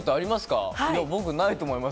僕、ないと思います。